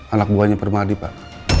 anak buahnya permadi pak